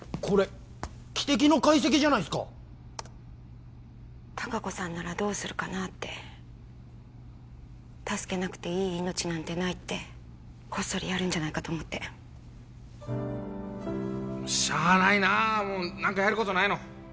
これ汽笛の解析じゃないっすか隆子さんならどうするかなあって助けなくていい命なんてないってこっそりやるんじゃないかと思ってしゃあないなあもうっ何かやることないの？